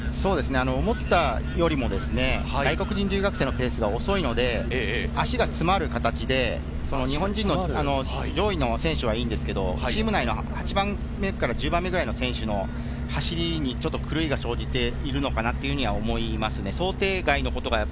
思ったよりも外国人留学生のペースが遅いので、足が詰まる形で日本人の上位の選手はいいんですけど、チーム内の８番目から１０番目ぐらいの選手の走りに狂いが生じているのかなと思います。